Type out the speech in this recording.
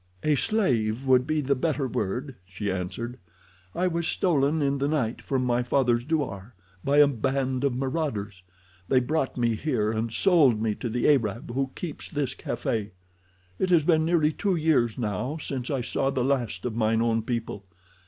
"A slave would be the better word," she answered. "I was stolen in the night from my father's douar by a band of marauders. They brought me here and sold me to the Arab who keeps this café. It has been nearly two years now since I saw the last of mine own people.